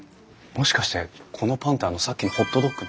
もしかしてこのパンってあのさっきのホットドッグの？